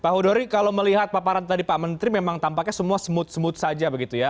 pak hudori kalau melihat paparan tadi pak menteri memang tampaknya semua smooth smooth saja begitu ya